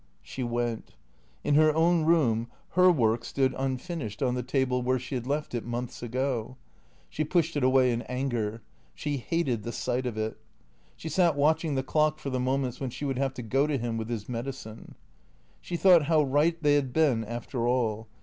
She went. In her own room her work stood unfinished on 510 THECEEATORS the table where she had left it, months ago. She pushed it away in anger. She hated the sight of it. She sat watching the clock for the moments when she would have to go to him with his medicine. She thought how right they had been after all.